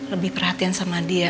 lebih perhatian sama dia